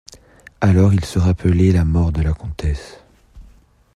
Alors il se rappelait la mort de la comtesse.